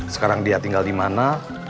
sekarang dia tinggal di mana